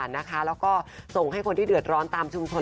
แล้วก็ส่งให้คนที่เดือดร้อนตามชุมชน